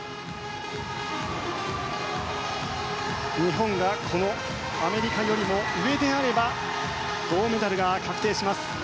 日本が、このアメリカよりも上であれば銅メダルが確定します。